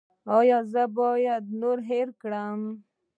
ایا زه به نور نه هیروم؟